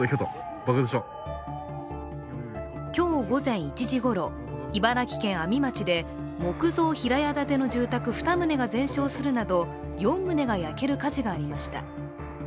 今日午前１時ごろ、茨城県阿見町で木造平屋建ての住宅２棟が全焼するなど４棟が焼ける火事がありました。